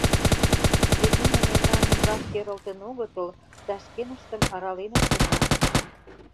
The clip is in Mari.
Вет нуно мемнан ӱмбак керылтын огытыл да шкеныштым араленыт гына.